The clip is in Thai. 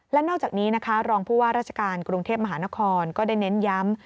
และนอกจากนี้นะคะรองผู้ว่าราชการกรุงเทพมหานครก็ได้เน้นย้ำ